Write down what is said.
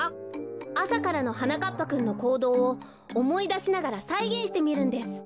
あさからのはなかっぱくんのこうどうをおもいだしながらさいげんしてみるんです。